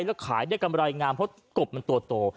แล้วขายได้กำไรงามเพราะกบมันตัวโต